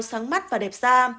sáng mắt và đẹp da